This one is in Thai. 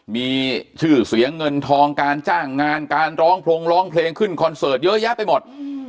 มีชื่อเสียงเงินทองการจ้างงานการร้องพรงร้องเพลงขึ้นคอนเสิร์ตเยอะแยะไปหมด